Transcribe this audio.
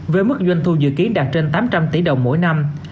với mức doanh thu dự kiến đạt trên tám trăm linh tỷ đồng mỗi năm